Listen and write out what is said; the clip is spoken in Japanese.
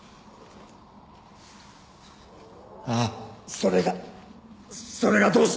それがそれがどうした！